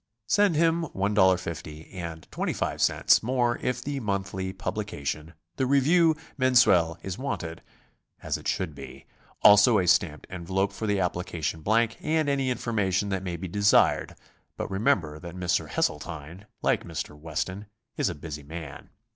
Send him $1.50, and 25 cts. more if the monthly publication, the Revue Mensuelle, is wanted, as it should be; also a stamped envelope for the application blank and any informa tion that may be desired, but remember that Mr. Hesseltine, like Mr. Weston, is a busy man.